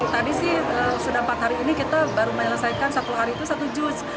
tadi sih sudah empat hari ini kita baru menyelesaikan satu hari itu satu juz